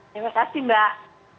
terima kasih mbak